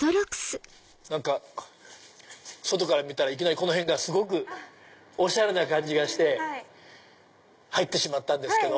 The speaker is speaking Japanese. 何か外から見たらいきなりこの辺がすごくおしゃれな感じがして入ってしまったんですけど。